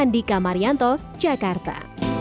andika marianto jakarta